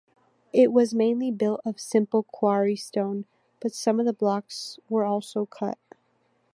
It was mainly built of simple quarry stone, but some of the blocks were also cut.